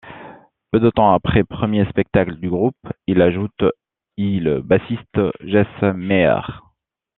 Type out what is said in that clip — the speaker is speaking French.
Peu de temps après premier spectacle du groupe, ils ajoute,y le bassiste Jess Myers.